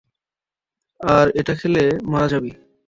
আর এটা খেলে, মারা যাবি।